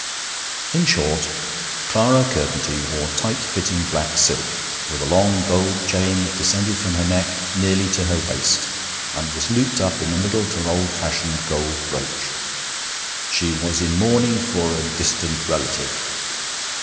In short.... Clara Curtenty wore tight fitting black silk, with a long gold chain that descended from her neck nearly to her waist, and was looped up in the middle to an old fashioned gold brooch. She was in mourning for a distant relative.